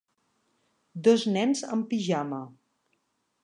Dos nens en pijama.